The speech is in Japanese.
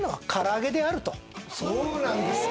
そうなんですか